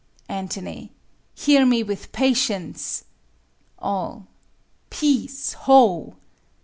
Ant. Hear me with patience. All. Peace, ho!